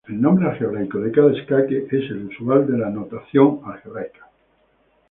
El nombre algebraico de cada escaque es el usual de la notación algebraica.